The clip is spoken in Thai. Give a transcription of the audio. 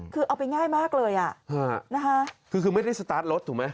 คือเอาไปง่ายมากเลยอ่ะนะคะคือไม่ได้สตาร์ทรถถูกไหม